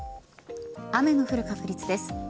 雨の降る確率です。